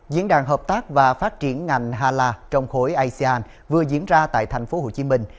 diễn đàn hợp tác và phát triển ngành hala trong khối asean vừa diễn ra tại thành phố hồ chí minh